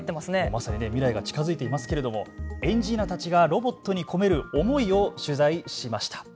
まさに未来が近づいていますけれどもエンジニアたちがロボットに込める思いを取材しました。